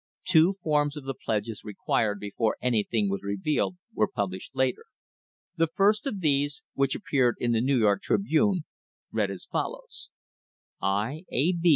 Two forms of the pledges required before anything was revealed were published later. The first of these, which appeared in the New York Tribune, read as follows : I, A.